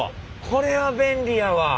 これは便利やわ。